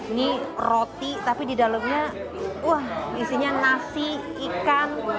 ini roti tapi didalamnya isinya nasi ikan